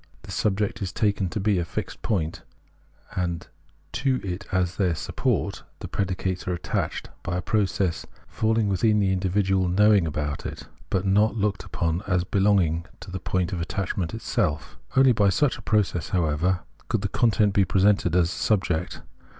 The subject is taken to be a fixed point, and to it as their support the predicates are attached, by a process falhng within the individual knowing about it, but not looked upon as belonging to the point of atta, chment itself ; only by such a process, however, Preface 21 could the content be presented as subject.